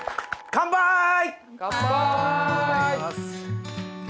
カンパイ！